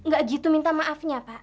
gak gitu minta maafnya pak